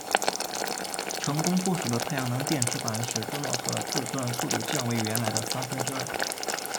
成功布署的太阳能电池板使朱诺号的自转速度降为原来的三分之二。